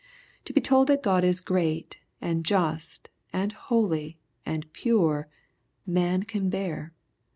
To be told that God is great, and just, and holy, and pure, man can bear.